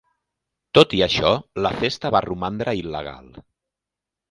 Tot i això, la festa va romandre il·legal.